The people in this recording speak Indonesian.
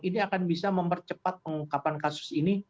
ini akan bisa mempercepat pengungkapan kasus ini